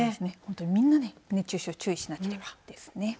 皆で熱中症注意しなければですね。